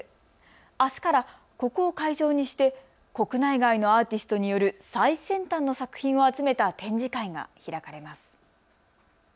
あすからここを会場にして国内外のアーティストによる最先端の作品を集めた展示会が開かれます。